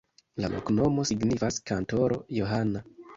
La loknomo signifas: kantoro-Johana.